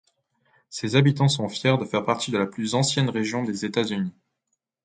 Ses habitants sont fiers de faire partie de la plus ancienne région des États-Unis.